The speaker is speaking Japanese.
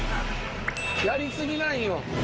やり過ぎなんよ